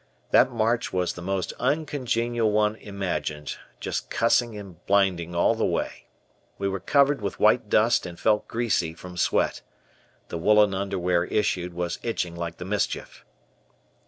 That march was the most uncongenial one imagined, just cussing and blinding all the way. We were covered with white dust and felt greasy from sweat. The woolen underwear issued was itching like the mischief.